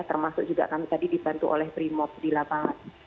termasuk juga kami tadi dibantu oleh primop di lapangan